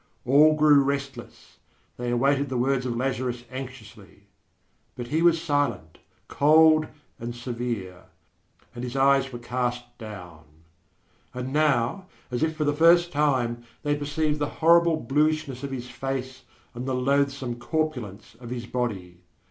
All grew restless; they awaited the words of Lazarus anxiously. But he was silent, cold and severe, and his eyes were cast down. And now, as if for the first time, they perceived the horrible bluishness of his face and the loathsome corpulence of his body.